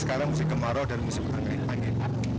sekarang musim kemarau dan musim angin